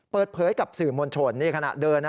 เปิดเผยกับสื่อมวลชนนี่ขณะเดินนะ